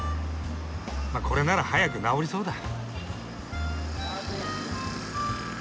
まぁこれなら早く治りそうだ。